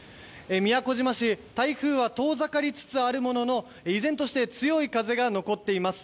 宮古島市台風は遠ざかりつつありますが依然として強い風が残っています。